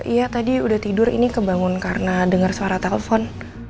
iya tadi udah tidur ini kebangun karena dengar suara telpon